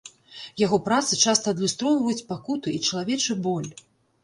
Яго працы часта адлюстроўваюць пакуты і чалавечы боль.